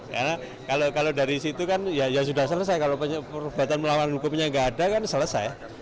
karena kalau dari situ kan ya sudah selesai kalau perbuatan melawan hukumnya tidak ada kan selesai